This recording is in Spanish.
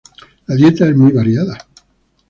La dieta es muy variada.